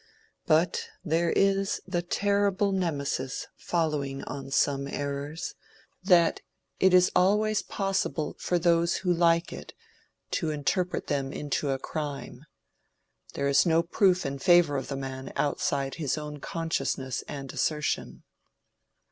But there is the terrible Nemesis following on some errors, that it is always possible for those who like it to interpret them into a crime: there is no proof in favor of the man outside his own consciousness and assertion."